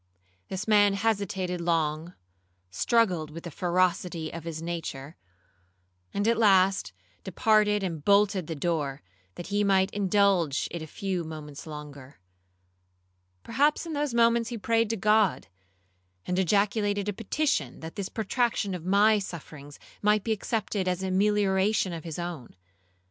This man hesitated long, struggled with the ferocity of his nature, and at last departed and bolted the door, that he might indulge it a few moments longer. Perhaps in those moments he prayed to God, and ejaculated a petition, that this protraction of my sufferings might be accepted as a melioration of his own.